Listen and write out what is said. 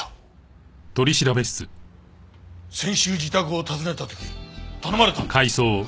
先週自宅を訪ねた時頼まれたんだ。